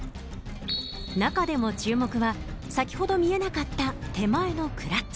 中でも注目は先ほど見えなかった手前のクラッチ。